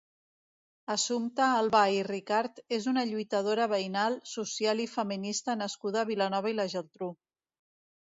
Assumpta Albà i Ricart és una lluitadora veïnal, social i feminista nascuda a Vilanova i la Geltrú.